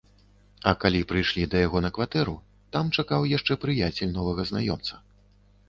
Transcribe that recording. А калі прыйшлі да яго на кватэру, там чакаў яшчэ прыяцель новага знаёмца.